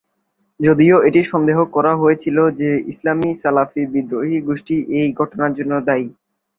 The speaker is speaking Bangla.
যদিও এটি সন্দেহ করা হয়েছিল যে ইসলামী সালাফি বিদ্রোহী গোষ্ঠী এই ঘটনার জন্য দায়ী।